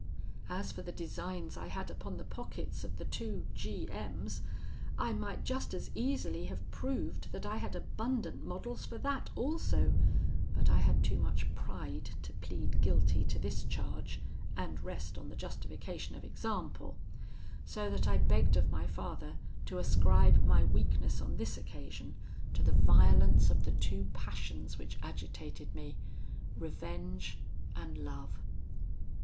As for the designs I had upon the pockets of the two G M s, I might just as easily have proved that I had abundant models for that also; but I had too much pride to plead guilty to this charge, and rest on the justification of example; so that I begged of my father to ascribe my weakness on this occasion to the violence of the two passions which agitated me Revenge and Love.